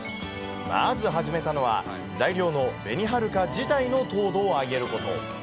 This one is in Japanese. まず始めたのは、材料の紅はるか自体の糖度を上げること。